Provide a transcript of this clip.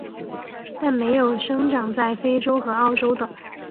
但没有生长在非洲和澳洲的。